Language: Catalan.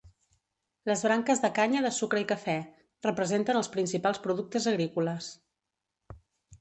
Les branques de canya de sucre i cafè: Representen els principals productes agrícoles.